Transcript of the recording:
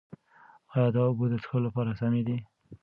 ایا دا اوبه د څښلو لپاره سمې دي؟